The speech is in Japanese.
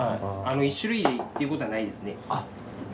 １種類っていうことはないですね。